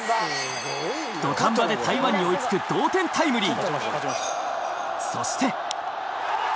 土壇場で台湾に追い付く同点タイムリー。